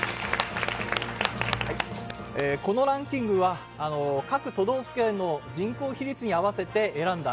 このランキングは、各都道府県の人口比率に合わせて選んだ、